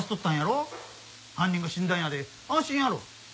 犯人が死んだんやで安心やろ。